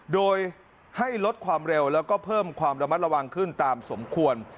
โดยให้ลดความเร็วแล้วก็เพิ่มความระมัดระวังขึ้นตามสมควร